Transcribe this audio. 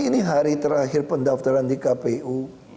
ini hari terakhir pendaftaran di kpu